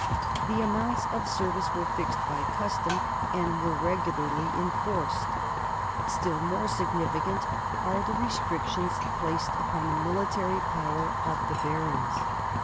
The amounts of service were fixed by custom and were regularly enforced. Still more significant are the re strictions placed upon the military power of the barons.